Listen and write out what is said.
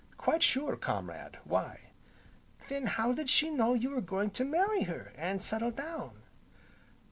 "Quite sure, comrade, why?" "Then how did she know you were going to marry her, an' settle down?"